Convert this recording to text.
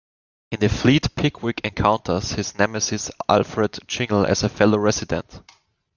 In the Fleet Pickwick encounters his nemesis Alfred Jingle as a fellow resident.